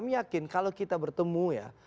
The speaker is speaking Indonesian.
yakin kalau kita bertemu ya